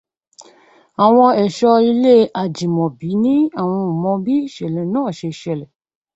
Àwọn ẹ̀ṣọ́ ilé Ajímọ̀bí ní àwọn ò mọ bí ìṣẹ̀lẹ̀ náà ṣe ṣẹlẹ̀.